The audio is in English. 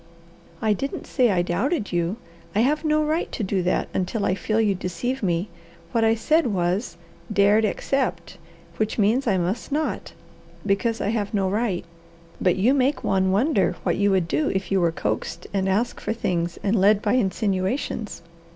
"I didn't say I doubted you. I have no right to do that until I feel you deceive me. What I said was 'dared accept,' which means I must not, because I have no right. But you make one wonder what you would do if you were coaxed and asked for things and led by insinuations."